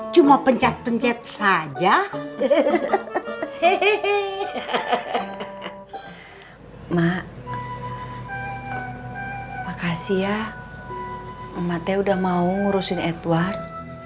cuma pencet pencet saja hehehe hehehe hehehe mak makasih ya emak teh udah mau ngurusin edward